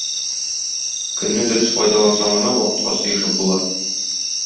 Көнне дөрес файдалансаң гына вакытка сыешып була.